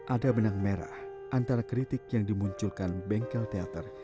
ada benang merah antara kritik yang dimunculkan bengkel teater